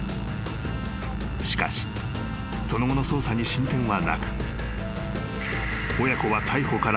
［しかしその後の捜査に進展はなく］